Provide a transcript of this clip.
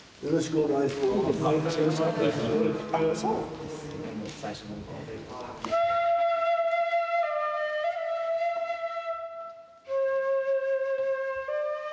よろしくお願いします。